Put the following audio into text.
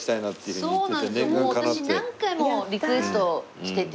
もう私何回もリクエストしてて。